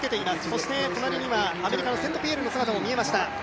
そして隣には、アメリカのセント・ピエールの姿も見えました。